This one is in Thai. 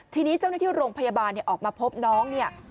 ทีนี้เจ้าหน้าที่โรงพยาบาลออกมาพบน้องเนี่ย